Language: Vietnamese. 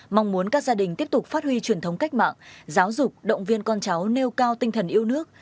mong muốn các gia đình tiếp tục phát huy truyền thống cách mạng giáo dục động viên con cháu nêu cao tinh thần yêu nước